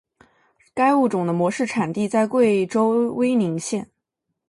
该物种的模式产地在贵州威宁县。